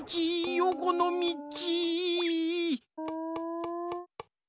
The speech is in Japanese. よこのみち。